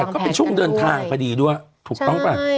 ก็เป็นช่วงเดินทางพอดีด้วยถูกต้องป่ะ